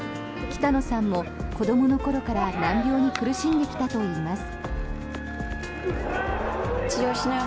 北野さんも子どもの頃から難病に苦しんできたといいます。